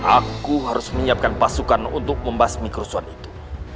aku harus menyiapkan pasukan untuk membasmi kerusuhan itu